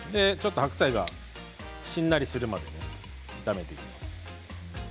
白菜がしんなりするまで炒めていきます。